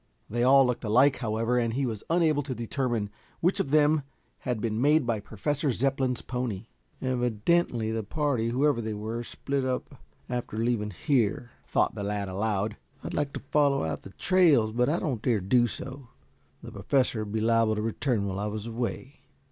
They all looked alike, however, and he was unable to determine which of them had been made by Professor Zepplin's pony. "Evidently the party, whoever they were, split up after leaving here," thought the lad aloud. "I'd like to follow out the trails, but I don't dare do so. The Professor would be liable to return while I was away.